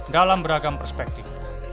dalam beragam perspektif